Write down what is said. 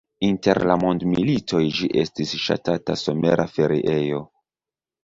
Inter la mondmilitoj ĝi estis ŝatata somera feriejo.